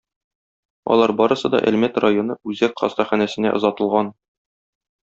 Алар барысы да Әлмәт районы үзәк хастаханәсенә озатылган.